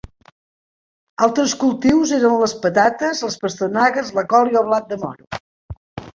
Altres cultius eren les patates, les pastanagues, la col i el blat de moro.